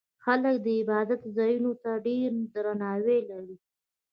خلک د عبادت ځایونو ته ډېر درناوی لري.